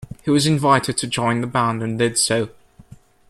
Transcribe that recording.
He was invited to join the band, and did so.